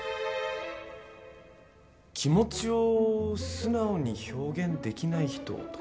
気持ちを素直に表現できない人とか？